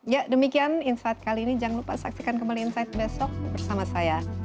ya demikian insight kali ini jangan lupa saksikan kembali insight besok bersama saya